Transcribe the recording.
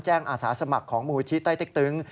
แจ้งอาสาสมัครของมหุทิใต้ติ๊กตึง